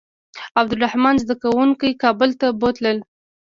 عبدالرحمن زده کوونکي کابل ته بوتلل.